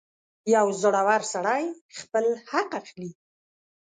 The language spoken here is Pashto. • یو زړور سړی خپل حق اخلي.